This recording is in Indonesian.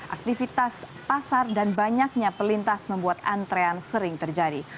aktivitas pasar dan banyaknya pelintas membuat antrean sering terjadi